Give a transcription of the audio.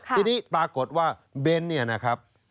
ทีนี้ปรากฏว่าเบนนะครับ